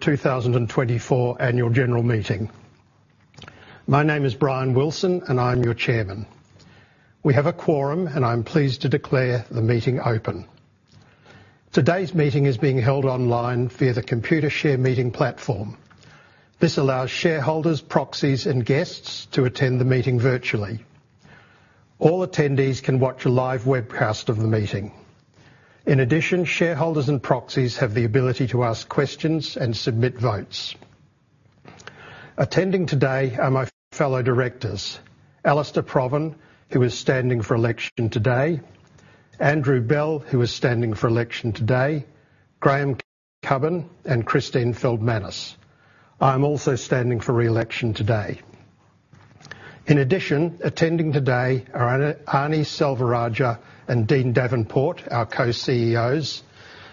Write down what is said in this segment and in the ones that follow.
2024 Annual General Meeting. My name is Brian Wilson, and I'm your chairman. We have a quorum, and I'm pleased to declare the meeting open. Today's meeting is being held online via the Computershare Meeting platform. This allows shareholders, proxies, and guests to attend the meeting virtually. All attendees can watch a live webcast of the meeting. In addition, shareholders and proxies have the ability to ask questions and submit votes. Attending today are my fellow directors: Alastair Provan, who is standing for election today; Andrew Bell, who is standing for election today; Graham Cubbin; and Christine Feldmanis. I am also standing for re-election today. In addition, attending today are Arnie Selvarajah and Dean Davenport, our Co-CEOs;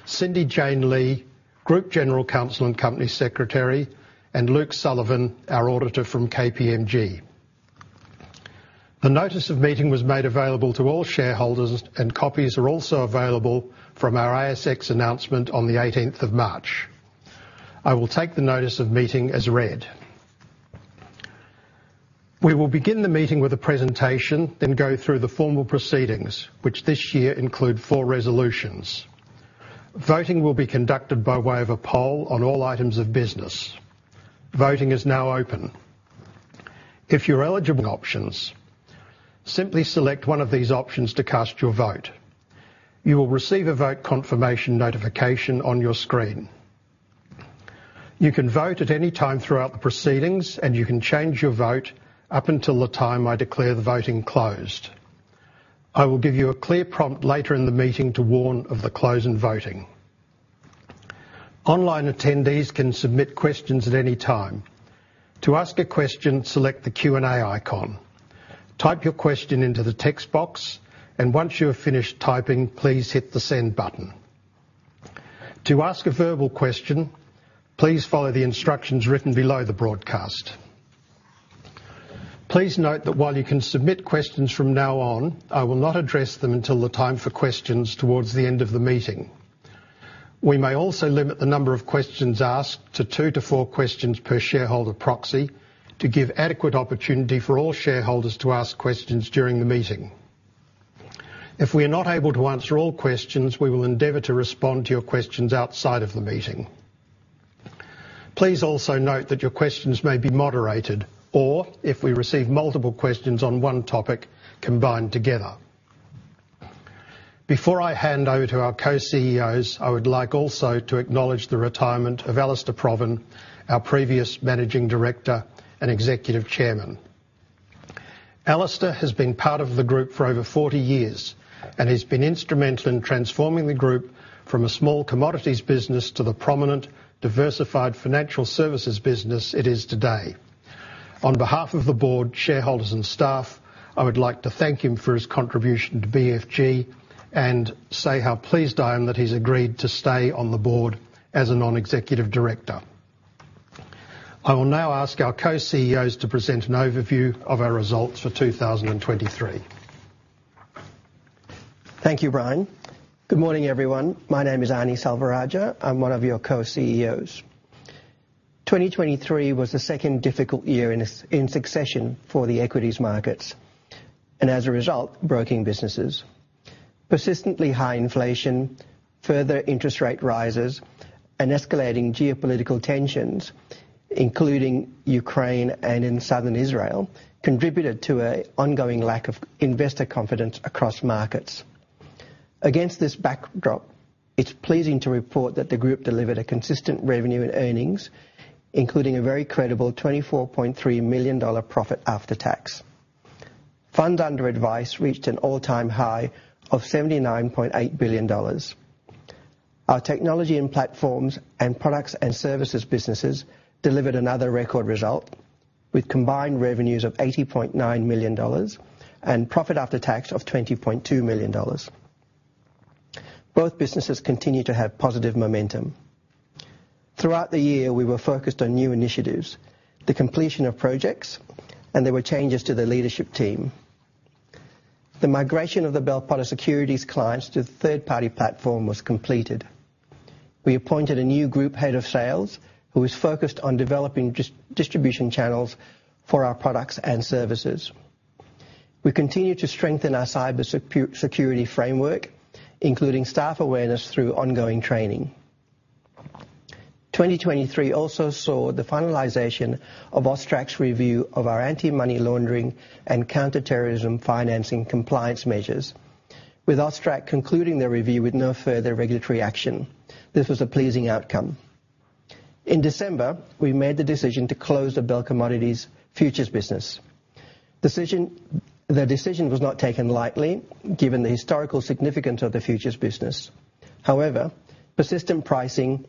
Cindy-Jane Lee, Group General Counsel and Company Secretary; and Luke Sullivan, our auditor from KPMG. The notice of meeting was made available to all shareholders, and copies are also available from our ASX announcement on the 18th of March. I will take the notice of meeting as read. We will begin the meeting with a presentation, then go through the formal proceedings, which this year include four resolutions. Voting will be conducted by way of a poll on all items of business. Voting is now open. If you have eligibility options, simply select one of these options to cast your vote. You will receive a vote confirmation notification on your screen. You can vote at any time throughout the proceedings, and you can change your vote up until the time I declare the voting closed. I will give you a clear prompt later in the meeting to warn of the closing voting. Online attendees can submit questions at any time. To ask a question, select the Q&A icon. Type your question into the text box, and once you have finished typing, please hit the Send button. To ask a verbal question, please follow the instructions written below the broadcast. Please note that while you can submit questions from now on, I will not address them until the time for questions towards the end of the meeting. We may also limit the number of questions asked to 2-4 questions per shareholder proxy to give adequate opportunity for all shareholders to ask questions during the meeting. If we are not able to answer all questions, we will endeavour to respond to your questions outside of the meeting. Please also note that your questions may be moderated or, if we receive multiple questions on one topic, combined together. Before I hand over to our Co-CEOs, I would like also to acknowledge the retirement of Alastair Provan, our previous managing director and executive chairman. Alastair has been part of the group for over 40 years and has been instrumental in transforming the group from a small commodities business to the prominent, diversified financial services business it is today. On behalf of the board, shareholders, and staff, I would like to thank him for his contribution to BFG and say how pleased I am that he's agreed to stay on the board as a non-executive director. I will now ask our Co-CEOs to present an overview of our results for 2023. Thank you, Brian. Good morning, everyone. My name is Arnie Selvarajah. I'm one of your Co-CEOs. 2023 was the second difficult year in succession for the equities markets and, as a result, broking businesses. Persistently high inflation, further interest rate rises, and escalating geopolitical tensions, including Ukraine and in Southern Israel, contributed to an ongoing lack of investor confidence across markets. Against this backdrop, it's pleasing to report that the group delivered a consistent revenue and earnings, including a very credible AUD 24.3 million profit after tax. Funds under advice reached an all-time high of AUD 79.8 billion. Our technology and platforms and products and services businesses delivered another record result, with combined revenues of 80.9 million dollars and profit after tax of 20.2 million dollars. Both businesses continue to have positive momentum. Throughout the year, we were focused on new initiatives, the completion of projects, and there were changes to the leadership team. The migration of the Bell Potter Securities clients to the third-party platform was completed. We appointed a new group head of sales who was focused on developing distribution channels for our products and services. We continue to strengthen our cybersecurity framework, including staff awareness through ongoing training. 2023 also saw the finalization of AUSTRAC's review of our anti-money laundering and counterterrorism financing compliance measures, with AUSTRAC concluding their review with no further regulatory action. This was a pleasing outcome. In December, we made the decision to close the Bell Commodities futures business. The decision was not taken lightly, given the historical significance of the futures business. However, persistent pricing,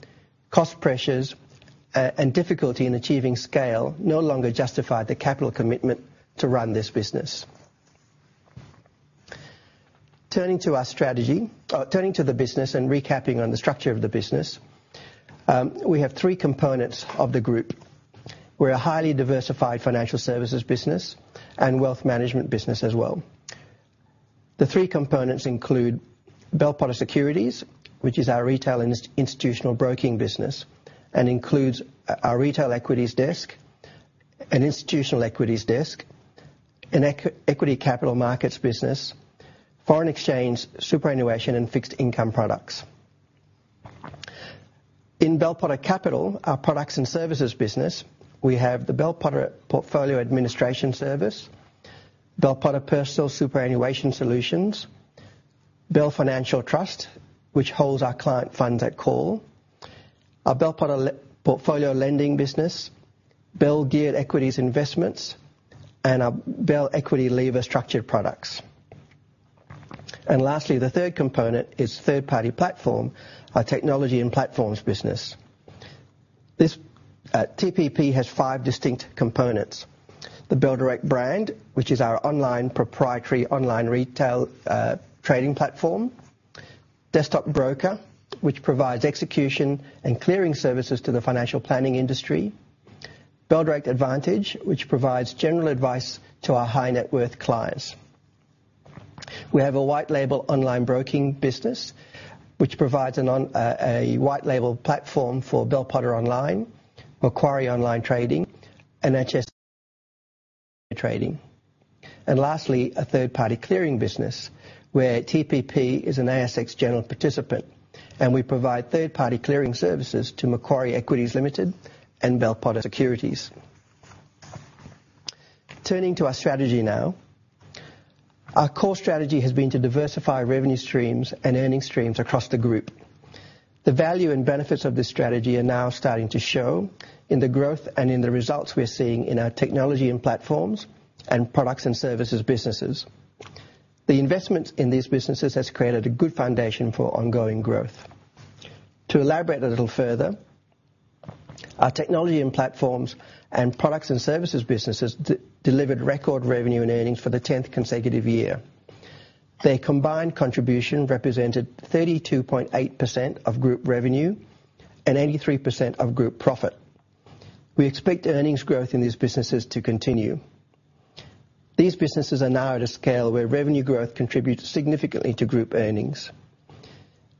cost pressures, and difficulty in achieving scale no longer justified the capital commitment to run this business. Turning to the business and recapping on the structure of the business, we have three components of the group. We're a highly diversified financial services business and wealth management business as well. The three components include Bell Potter Securities, which is our retail institutional broking business, and includes our retail equities desk, an institutional equities desk, an equity capital markets business, foreign exchange, superannuation, and fixed income products. In Bell Potter Capital, our products and services business, we have the Bell Potter Portfolio Administration Service, Bell Potter Personal Superannuation Solutions, Bell Financial Trust, which holds our client funds at call, our Bell Potter Portfolio Lending business, Bell Geared Equities Investments, and our Bell Equity Lever Structured Products. Lastly, the third component is Third Party Platform, our technology and platforms business. TPP has five distinct components: the Bell Direct brand, which is our proprietary online retail trading platform. Desktop Broker, which provides execution and clearing services to the financial planning industry. Bell Direct Advantage, which provides general advice to our high-net-worth clients. We have a white-label online broking business, which provides a white-label platform for Bell Potter Online, Macquarie Online Trading, and HSBC Trading. And lastly, a third-party clearing business, where TPP is an ASX general participant, and we provide third-party clearing services to Macquarie Equities Limited and Bell Potter Securities. Turning to our strategy now, our core strategy has been to diversify revenue streams and earnings streams across the group. The value and benefits of this strategy are now starting to show in the growth and in the results we're seeing in our technology and platforms and products and services businesses. The investment in these businesses has created a good foundation for ongoing growth. To elaborate a little further, our technology and platforms and products and services businesses delivered record revenue and earnings for the tenth consecutive year. Their combined contribution represented 32.8% of group revenue and 83% of group profit. We expect earnings growth in these businesses to continue. These businesses are now at a scale where revenue growth contributes significantly to group earnings.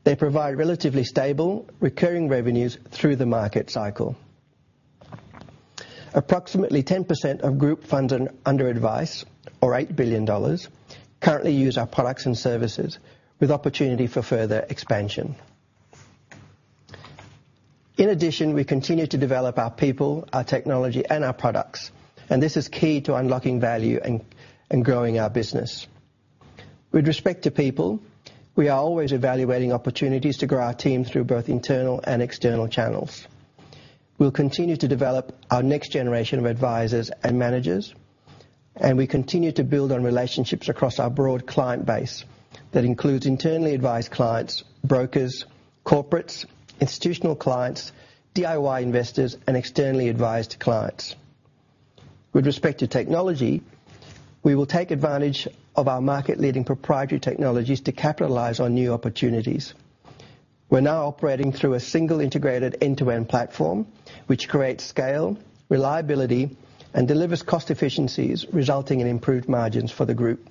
They provide relatively stable, recurring revenues through the market cycle. Approximately 10% of group funds under advice, or AUD 8 billion, currently use our products and services, with opportunity for further expansion. In addition, we continue to develop our people, our technology, and our products, and this is key to unlocking value and growing our business. With respect to people, we are always evaluating opportunities to grow our team through both internal and external channels. We'll continue to develop our next generation of advisors and managers, and we continue to build on relationships across our broad client base that includes internally advised clients, brokers, corporates, institutional clients, DIY investors, and externally advised clients. With respect to technology, we will take advantage of our market-leading proprietary technologies to capitalize on new opportunities. We're now operating through a single integrated end-to-end platform, which creates scale, reliability, and delivers cost efficiencies, resulting in improved margins for the group.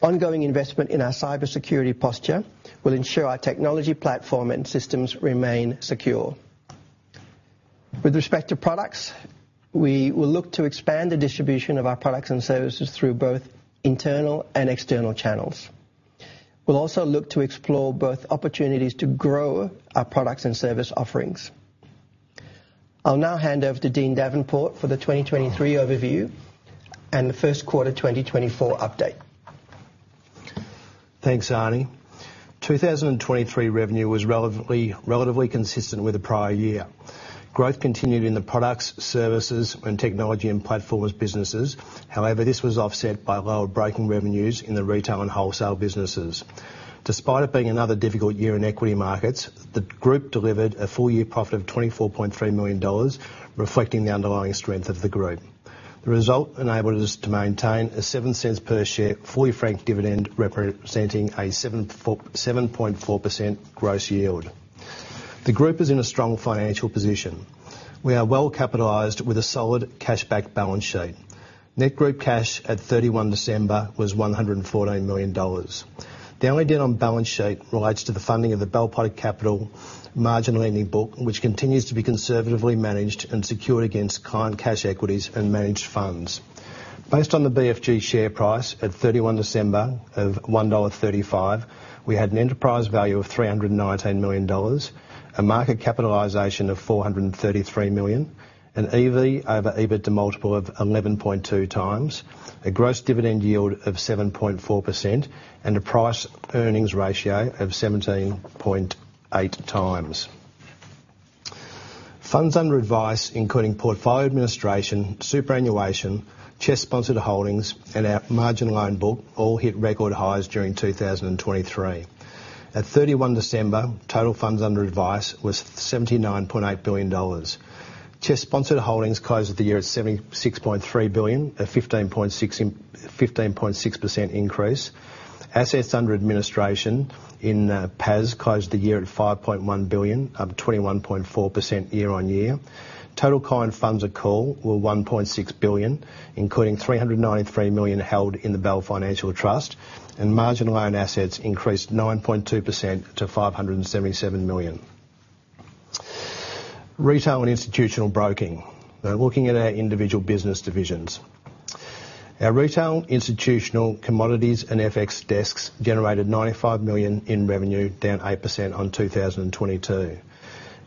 Ongoing investment in our cybersecurity posture will ensure our technology platform and systems remain secure. With respect to products, we will look to expand the distribution of our products and services through both internal and external channels. We'll also look to explore both opportunities to grow our products and service offerings. I'll now hand over to Dean Davenport for the 2023 overview and the first quarter 2024 update. Thanks, Arnie. 2023 revenue was relatively consistent with the prior year. Growth continued in the products, services, and technology and platforms businesses; however, this was offset by lower broking revenues in the retail and wholesale businesses. Despite it being another difficult year in equity markets, the group delivered a full-year profit of 24.3 million dollars, reflecting the underlying strength of the group. The result enabled us to maintain a seven cents per share full year franked dividend, representing a 7.4% gross yield. The group is in a strong financial position. We are well capitalised with a solid cash-backed balance sheet. Net group cash at 31 December was 114 million dollars. The only dent on balance sheet relates to the funding of the Bell Potter Capital margin lending book, which continues to be conservatively managed and secured against client cash equities and managed funds. Based on the BFG share price at 31 December of 1.35 dollar, we had an enterprise value of 319 million dollars, a market capitalization of 433 million, an EV over EBITDA multiple of 11.2x, a gross dividend yield of 7.4%, and a price-earnings ratio of 17.8 times. Funds under advice, including portfolio administration, superannuation, CHESS sponsored holdings, and our margin loan book, all hit record highs during 2023. At 31 December, total funds under advice was 79.8 billion dollars. CHESS sponsored holdings closed the year at 76.3 billion, a 15.6% increase. Assets under administration in PAS closed the year at 5.1 billion, up 21.4% year-over-year. Total client funds at call were 1.6 billion, including 393 million held in the Bell Financial Trust, and margin loan assets increased 9.2% to 577 million. Retail and institutional broking, looking at our individual business divisions. Our retail, institutional, commodities, and FX desks generated 95 million in revenue, down 8% on 2022.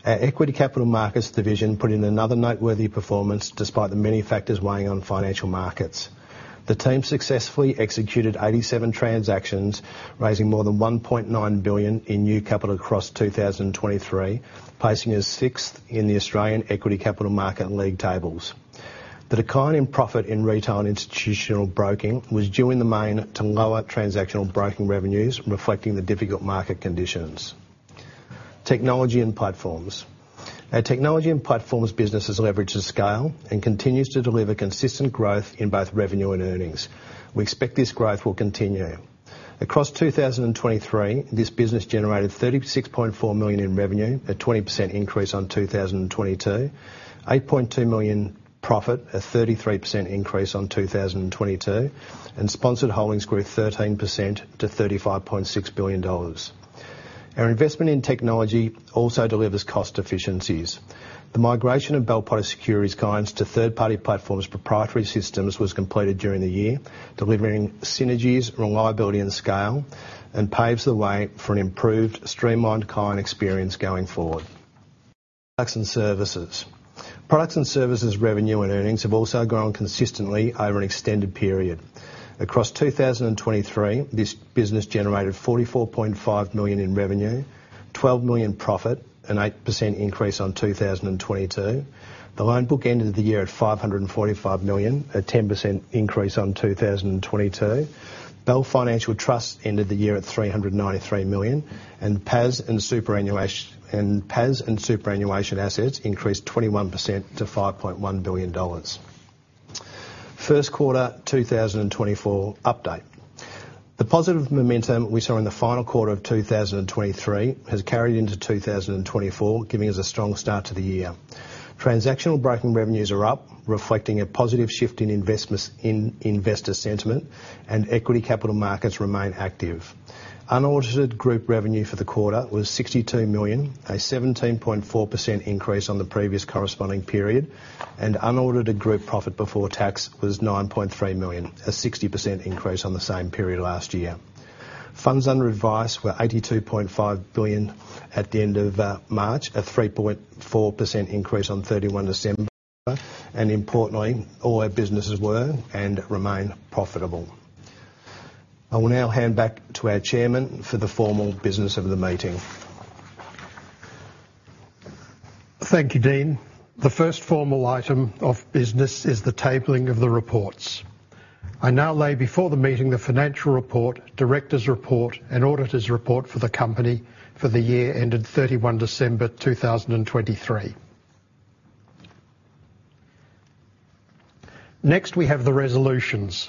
Our equity capital markets division put in another noteworthy performance despite the many factors weighing on financial markets. The team successfully executed 87 transactions, raising more than 1.9 billion in new capital across 2023, placing us sixth in the Australian equity capital market league tables. The decline in profit in retail and institutional broking was due in the main to lower transactional broking revenues, reflecting the difficult market conditions. Technology and platforms. Our technology and platforms business has leveraged the scale and continues to deliver consistent growth in both revenue and earnings. We expect this growth will continue. Across 2023, this business generated 36.4 million in revenue, a 20% increase on 2022, 8.2 million profit, a 33% increase on 2022, and sponsored holdings grew 13% to 35.6 billion dollars. Our investment in technology also delivers cost efficiencies. The migration of Bell Potter Securities clients to Third Party Platform's proprietary systems was completed during the year, delivering synergies, reliability, and scale, and paves the way for an improved, streamlined client experience going forward. Products and services. Products and services revenue and earnings have also grown consistently over an extended period. Across 2023, this business generated 44.5 million in revenue, 12 million profit, an 8% increase on 2022. The loan book ended the year at 545 million, a 10% increase on 2022. Bell Financial Trust ended the year at 393 million, and PAS and superannuation assets increased 21% to 5.1 billion dollars. First quarter 2024 update. The positive momentum we saw in the final quarter of 2023 has carried into 2024, giving us a strong start to the year. Transactional broking revenues are up, reflecting a positive shift in investor sentiment, and equity capital markets remain active. Unaudited group revenue for the quarter was 62 million, a 17.4% increase on the previous corresponding period, and unaudited group profit before tax was 9.3 million, a 60% increase on the same period last year. Funds Under Advice were 82.5 billion at the end of March, a 3.4% increase on 31 December, and importantly, all our businesses were and remain profitable. I will now hand back to our chairman for the formal business of the meeting. Thank you, Dean. The first formal item of business is the tabling of the reports. I now lay before the meeting the financial report, directors' report, and auditors' report for the company for the year ended 31 December 2023. Next, we have the resolutions.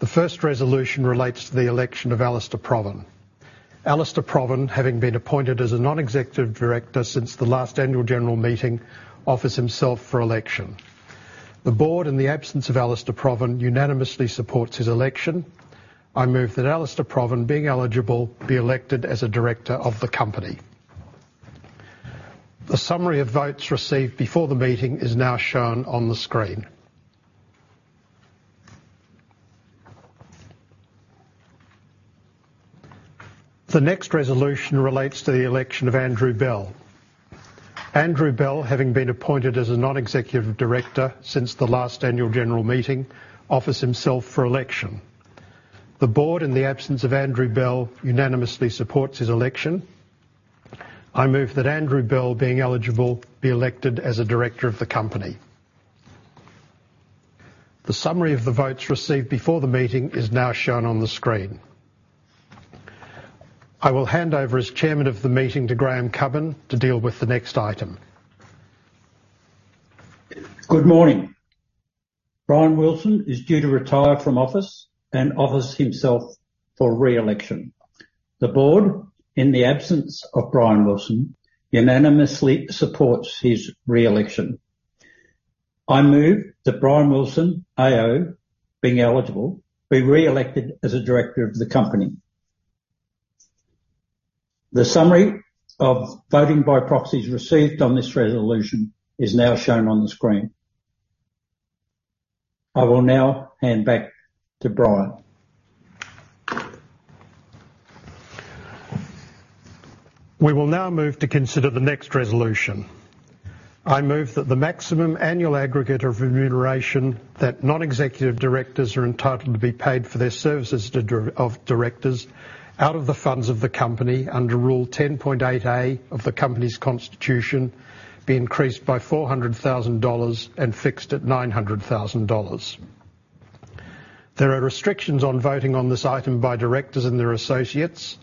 The first resolution relates to the election of Alastair Provan. Alastair Provan, having been appointed as a non-executive director since the last annual general meeting, offers himself for election. The board, in the absence of Alastair Provan, unanimously supports his election. I move that Alastair Provan, being eligible, be elected as a director of the company. The summary of votes received before the meeting is now shown on the screen. The next resolution relates to the election of Andrew Bell. Andrew Bell, having been appointed as a non-executive director since the last annual general meeting, offers himself for election. The board, in the absence of Andrew Bell, unanimously supports his election. I move that Andrew Bell, being eligible, be elected as a director of the company. The summary of the votes received before the meeting is now shown on the screen. I will hand over as chairman of the meeting to Graham Cubbin to deal with the next item. Good morning. Brian Wilson is due to retire from office and offers himself for re-election. The board, in the absence of Brian Wilson, unanimously supports his re-election. I move that Brian Wilson, AO, being eligible, be re-elected as a director of the company. The summary of voting by proxies received on this resolution is now shown on the screen. I will now hand back to Brian. We will now move to consider the next resolution. I move that the maximum annual aggregate of remuneration that non-executive directors are entitled to be paid for their services of directors out of the funds of the company under Rule 10.8A of the company's constitution be increased by 400,000 dollars and fixed at 900,000 dollars. There are restrictions on voting on this item by directors and their associates.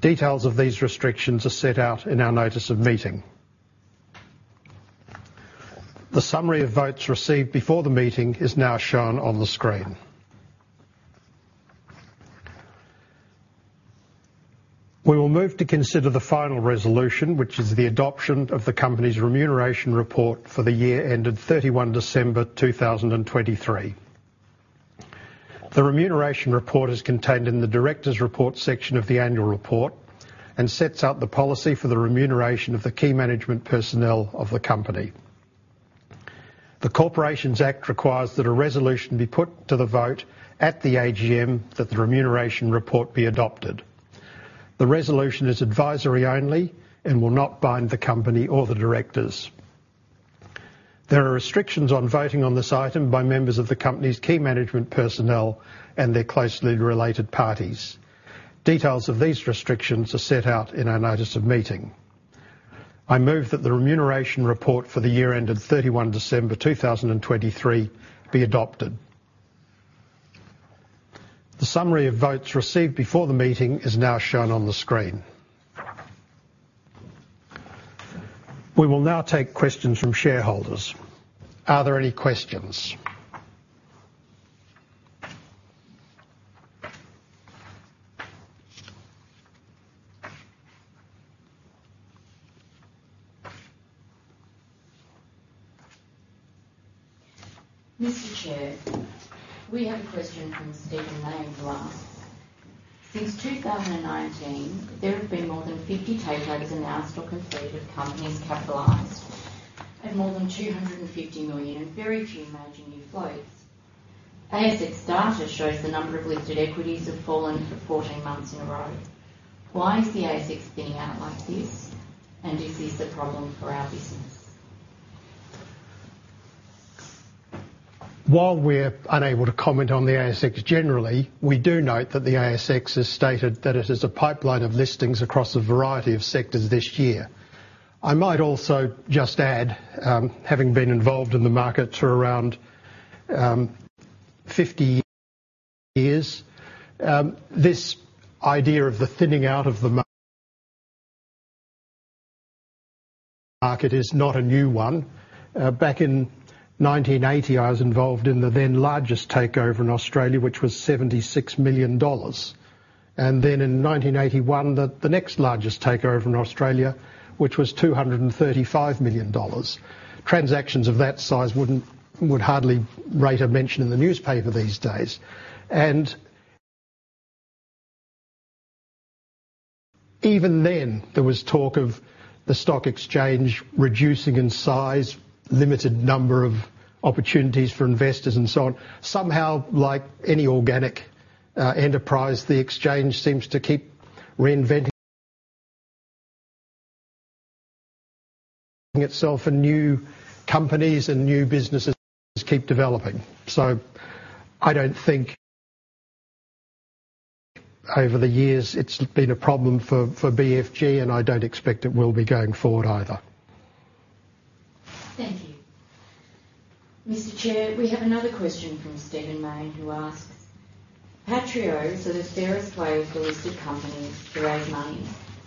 Details of these restrictions are set out in our notice of meeting. The summary of votes received before the meeting is now shown on the screen. We will move to consider the final resolution, which is the adoption of the company's remuneration report for the year ended 31 December 2023. The remuneration report is contained in the directors' report section of the annual report and sets out the policy for the remuneration of the key management personnel of the company. The Corporations Act requires that a resolution be put to the vote at the AGM that the remuneration report be adopted. The resolution is advisory only and will not bind the company or the directors. There are restrictions on voting on this item by members of the company's key management personnel and their closely related parties. Details of these restrictions are set out in our notice of meeting. I move that the remuneration report for the year ended 31 December 2023 be adopted. The summary of votes received before the meeting is now shown on the screen. We will now take questions from shareholders. Are there any questions? Mr. Chair, we have a question from Stephen Lane to ask. Since 2019, there have been more than 50 takeovers announced or completed of companies capitalized at more than 250 million in very few margin year floats. ASX data shows the number of listed equities have fallen for 14 months in a row. Why is the ASX thinning out like this, and is this a problem for our business? While we're unable to comment on the ASX generally, we do note that the ASX has stated that it is a pipeline of listings across a variety of sectors this year. I might also just add, having been involved in the market for around 50 years, this idea of the thinning out of the market is not a new one. Back in 1980, I was involved in the then largest takeover in Australia, which was 76 million dollars, and then in 1981, the next largest takeover in Australia, which was 235 million dollars. Transactions of that size would hardly rate a mention in the newspaper these days. And even then, there was talk of the stock exchange reducing in size, limited number of opportunities for investors, and so on. Somehow, like any organic enterprise, the exchange seems to keep reinventing itself, and new companies and new businesses keep developing. So I don't think, over the years, it's been a problem for BFG, and I don't expect it will be going forward either. Thank you. Mr. Chair, we have another question from Stephen Lane who asks, "PAITREOs are the fairest way for listed companies to raise money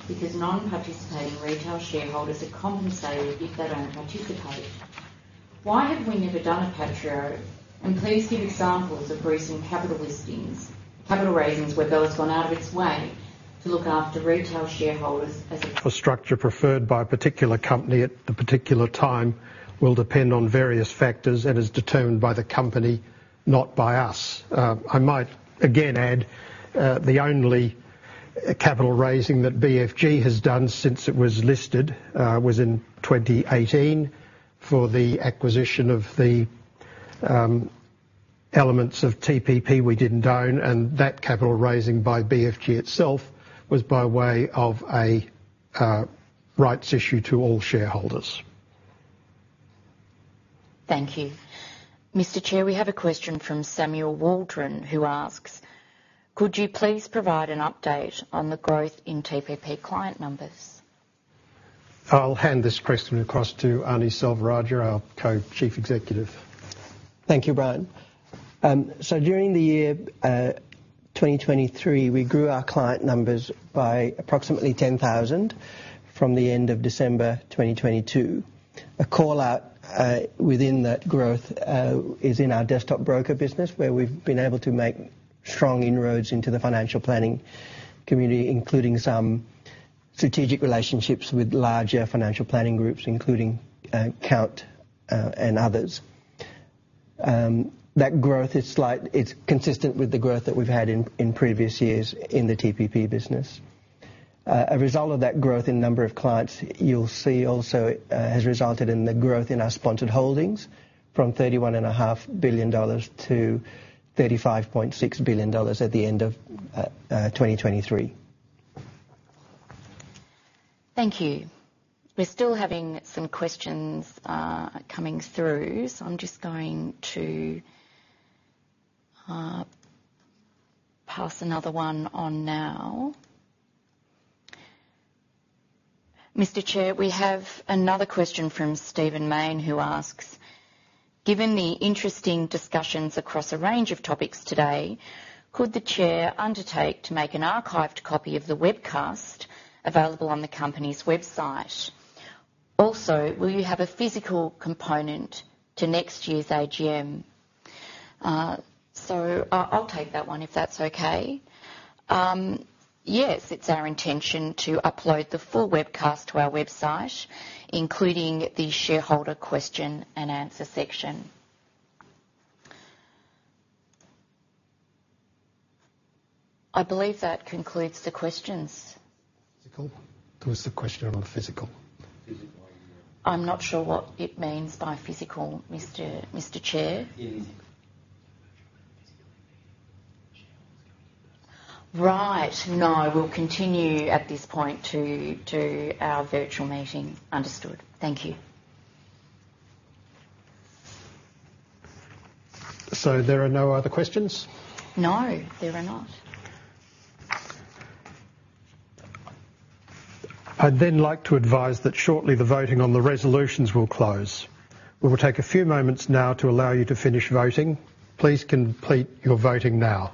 because non-participating retail shareholders are compensated if they don't participate. Why have we never done a PAITREO, and please give examples of recent capital raisings where Bell has gone out of its way to look after retail shareholders as. The structure preferred by a particular company at the particular time will depend on various factors and is determined by the company, not by us. I might, again, add the only capital raising that BFG has done since it was listed was in 2018 for the acquisition of the elements of TPP we didn't own, and that capital raising by BFG itself was by way of a Rights Issue to all shareholders. Thank you. Mr. Chair, we have a question from Samuel Waldron who asks, "Could you please provide an update on the growth in TPP client numbers? I'll hand this question across to Arnie Selvarajah, our Co-Chief Executive. Thank you, Brian. So during the year 2023, we grew our client numbers by approximately 10,000 from the end of December 2022. A callout within that growth is in our Desktop Broker business, where we've been able to make strong inroads into the financial planning community, including some strategic relationships with larger financial planning groups, including Count and others. That growth is consistent with the growth that we've had in previous years in the TPP business. A result of that growth in number of clients you'll see also has resulted in the growth in our sponsored holdings from 31.5 billion-35.6 billion dollars at the end of 2023. Thank you. We're still having some questions coming through, so I'm just going to pass another one on now. Mr. Chair, we have another question from Stephen Lane who asks, "Given the interesting discussions across a range of topics today, could the chair undertake to make an archived copy of the webcast available on the company's website? Also, will you have a physical component to next year's AGM?" So I'll take that one if that's okay. Yes, it's our intention to upload the full webcast to our website, including the shareholder question and answer section. I believe that concludes the questions. Is it all? There was a question on physical. I'm not sure what it means by physical, Mr. Chair. Physical AGM is coming in. Right. No, we'll continue at this point to our virtual meeting. Understood. Thank you. So there are no other questions? No, there are not. I'd then like to advise that shortly the voting on the resolutions will close. We will take a few moments now to allow you to finish voting. Please complete your voting now.